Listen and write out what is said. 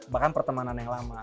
bahkan pertemanan yang lama